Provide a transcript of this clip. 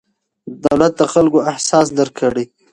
دولت د خلکو احساس درک کړي.